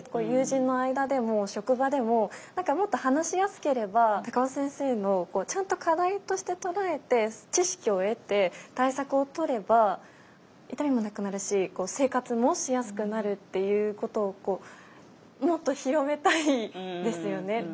友人の間でも職場でも何かもっと話しやすければ高尾先生のちゃんと課題として捉えて知識を得て対策をとれば痛みもなくなるし生活もしやすくなるっていうことをもっと広めたいですよね。